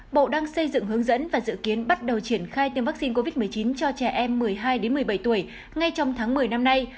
bộ đang xây dựng hướng dẫn và dự kiến bắt đầu triển khai tiêm vaccine covid một mươi chín cho trẻ em một mươi hai một mươi bảy tuổi ngay trong tháng một mươi năm nay